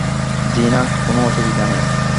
জ্বি-না, কোনো অসুবিধা নেই।